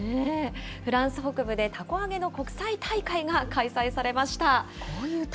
フランス北部でたこ揚げの国際大会が開催されました。